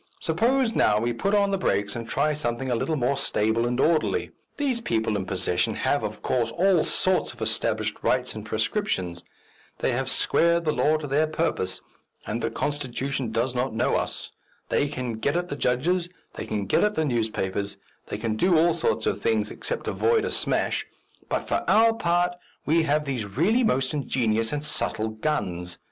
Suppose now we put on the brakes and try something a little more stable and orderly. These people in possession have, of course, all sorts of established rights and prescriptions; they have squared the law to their purpose, and the constitution does not know us; they can get at the judges, they can get at the newspapers, they can do all sorts of things except avoid a smash but, for our part, we have these really most ingenious and subtle guns.